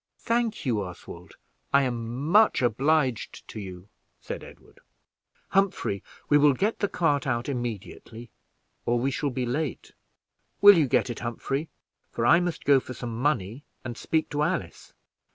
"Thank you, Oswald, I am much obliged to you," said Edward. "Humphrey, we will get the cart out immediately, or we shall be late. Will you get it, Humphrey, for I must go for some money, and speak to Alice."